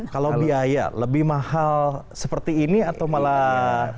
kalau biaya lebih mahal seperti ini atau malah